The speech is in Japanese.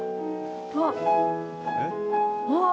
あっ。